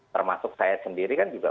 termasuk saya sendiri kan juga